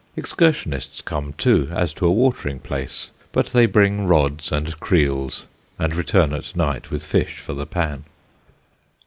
Excursionists come too, as to a watering place, but they bring rods and creels and return at night with fish for the pan.